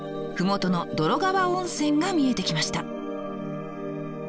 麓の洞川温泉が見えてきました。